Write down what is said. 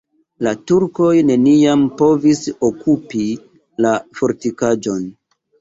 La turkoj neniam povis okupi la fortikaĵon.